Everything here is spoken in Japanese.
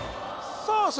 さあ